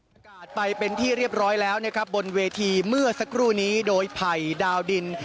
อากาศไปเป็นที่เรียบร้อยแล้วนะครับบนเวทีเมื่อสักครู่นี้โดยไผ่ดาวดิน